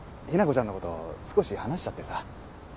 ⁉雛子ちゃんのこと少し話しちゃってさ。